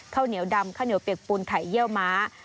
ข้าวเหนียวดำข้าวเหนียวเปียกปูนไข่เยี่ยวม้า